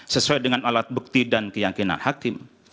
sesuai dengan alat bukti dan keyakinan hakim